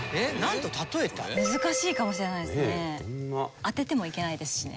難しいかもしれないですね。